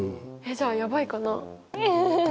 えっじゃあやばいかな？